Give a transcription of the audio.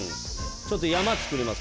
ちょっと山作ります